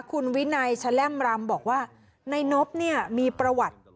คุณวินัยแชล่มรำบอกว่าในนบเนี่ยมีประวัติ